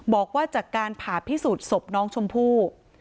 บอกว่าจากการผ่าพิสูจน์ศพน้องชมพู่